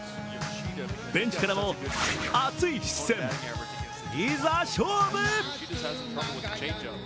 ベンチからも熱い視線、いざ勝負！